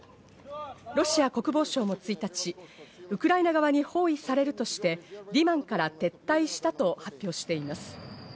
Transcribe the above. ロシア国防省も１日、ウクライナ側に包囲されるとしてリマンから撤退したと発表しています。